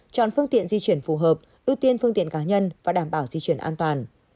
chọn phương tiện di chuyển phù hợp ưu tiên phương tiện cá nhân và đảm bảo di chuyển an toàn